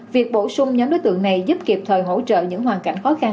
việc bổ sung nhóm đối tượng này giúp kịp thời hỗ trợ những hoàn cảnh khó khăn